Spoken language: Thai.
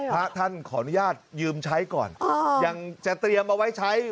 พระท่านขออนุญาตยืมใช้ก่อนยังจะเตรียมเอาไว้ใช้